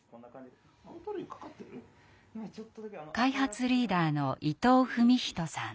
開発リーダーの伊藤史人さん。